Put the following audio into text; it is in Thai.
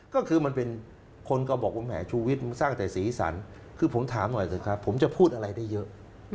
ก็คือมันเป็นคนก็บอกว่าแห่ชูวิทย์สร้างแต่สีสันคือผมถามหน่อยสิครับผมจะพูดอะไรได้เยอะ